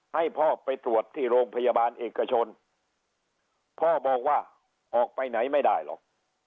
ให้พ่อไปตรวจที่โรงพยาบาลเอกชนพ่อบอกว่าออกไปไหนไม่ได้หรอก